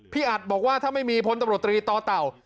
พี่อัชริยะบอกว่าถ้าไม่มีพ้นตบตรีต่อเต่า